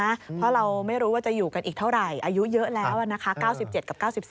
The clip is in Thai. เพราะเราไม่รู้ว่าจะอยู่กันอีกเท่าไหร่อายุเยอะแล้วนะคะ๙๗กับ๙๒